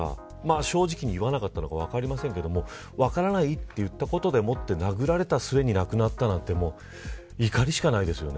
正直に言わなかったのか分かりませんけれど分からないといったことでもって殴られた末に亡くなったなんて怒りしかないですよね。